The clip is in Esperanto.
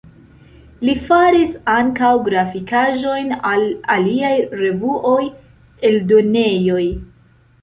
Li faris ankaŭ grafikaĵojn al aliaj revuoj, eldonejoj.